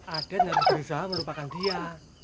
aden dan giza melupakan dia